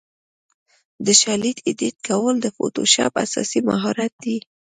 د شالید ایډیټ کول د فوټوشاپ اساسي مهارت دی.